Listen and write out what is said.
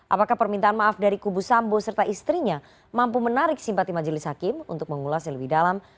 apakah permintaan maaf dari kubu sambo serta istrinya mampu menarik simpati majelis hakim untuk mengulasnya lebih dalam